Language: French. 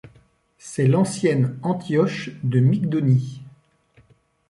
C'est l'ancienne Antioche de Mygdonie.